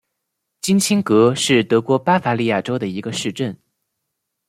金钦格是德国巴伐利亚州的一个市镇。